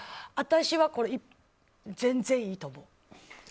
私は、全然いいと思う。